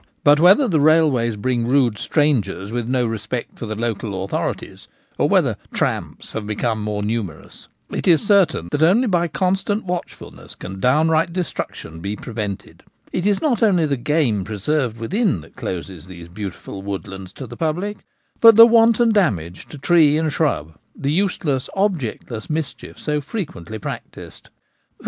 But whether the railways bring rude strangers with no respect for the local authorities, or whether ' tramps ' have become more numerous, it is certain that only by constant watchfulness can downright destruction be prevented. It is not only the game preserved within that closes these beautiful woodlands to the public, but the wanton damage to tree and shrub, the use less, objectless mischief so frequently practised. For 138 The Gamekeeper at Home.